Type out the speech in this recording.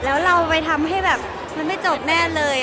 แล้วเราไปทำให้แบบมันไม่จบแน่เลย